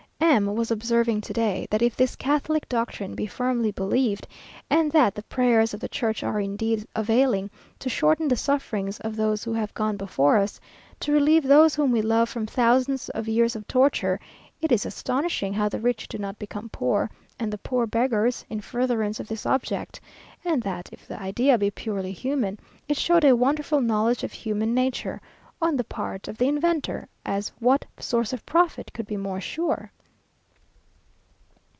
M was observing to day, that if this Catholic doctrine be firmly believed, and that the prayers of the Church are indeed availing to shorten the sufferings of those who have gone before us; to relieve those whom we love from thousands of years of torture, it is astonishing how the rich do not become poor, and the poor beggars, in furtherance of this object; and that if the idea be purely human, it showed a wonderful knowledge of human nature, on the part of the inventor, as what source of profit could be more sure?....